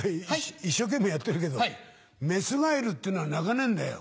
一生懸命やってるけど雌ガエルってのは鳴かねえんだよ。